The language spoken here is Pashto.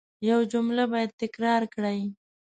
یو جمله باید تکرار کړئ.